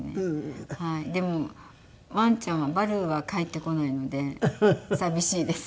でもワンちゃんはバルーは帰ってこないので寂しいです。